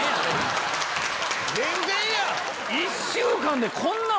全然やん！